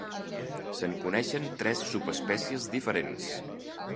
Se'n coneixen tres subespècies diferents.